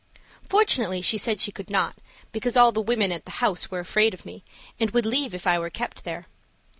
Fortunately, she said she could not, because all the women at the Home were afraid of me, and would leave if I were kept there.